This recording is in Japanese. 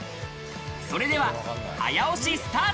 それでは早押しスター